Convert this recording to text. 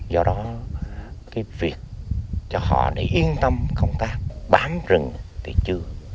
do đó cái việc cho họ để yên tâm công tác bám rừng thì chưa